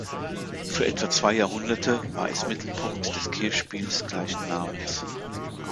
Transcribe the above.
Für etwa zwei Jahrhunderte war es Mittelpunkt des Kirchspiels gleichen Namens.